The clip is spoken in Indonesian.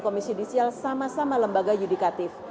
komisi judisial sama sama lembaga yudikatif